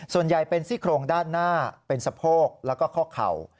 ส่วนใหญ่เป็นซี่โครงด้านหน้าเป็นสะโพกแล้วก็ข้อเข่า